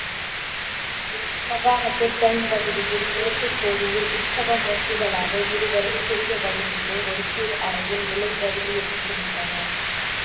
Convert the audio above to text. இப்பிராகாரத்தில் தென்பகுதியில் மேற்குக் கோடியில் உத்சவமூர்த்திகளாக இருவரும் சிறிய வடிவிலே ஒரு சிறு அறையில் எழுந்தருளியிருக்கின்றனர்.